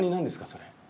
それ。